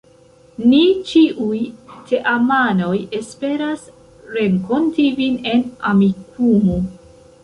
Ni ĉiuj teamanoj esperas renkonti vin en Amikumu.